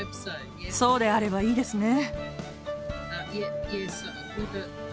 そうであればいいですね。